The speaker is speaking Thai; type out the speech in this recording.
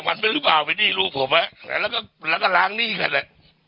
มันเป็นหรือเปล่าไปนี่ลูกผมอ่ะแล้วก็แล้วก็ล้างหนี้ค่ะน่ะ